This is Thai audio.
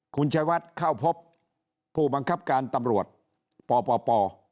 คุณชัยวัดเข้าพบผู้บังคับการตำรวจปป